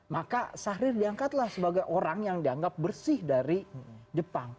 maka syahrir diangkatlah sebagai orang yang dianggap bersih dari jepang